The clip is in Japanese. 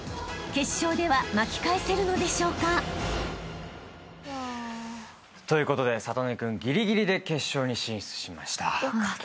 ［決勝では巻き返せるのでしょうか？］ということで智音君ギリギリで決勝に進出しました。